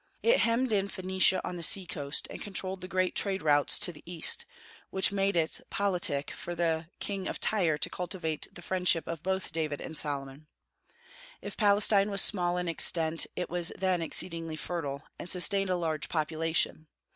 It hemmed in Phoenicia on the sea coast, and controlled the great trade routes to the East, which made it politic for the King of Tyre to cultivate the friendship of both David and Solomon. If Palestine was small in extent, it was then exceedingly fertile, and sustained a large population.